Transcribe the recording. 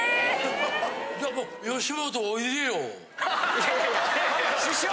いやいや師匠！